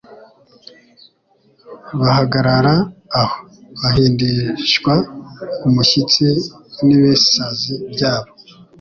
Bahagarara aho bahindishwa umushyitsi n'ibisazi byabo,